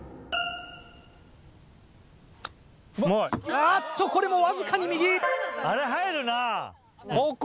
あっとこれもわずかに右！